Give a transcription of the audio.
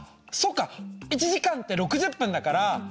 １時間って６０分だから６０個！